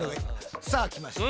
さあ来ました